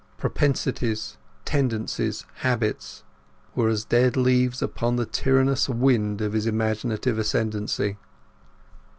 Propensities, tendencies, habits, were as dead leaves upon the tyrannous wind of his imaginative ascendency.